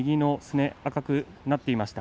炎赤くなっていました。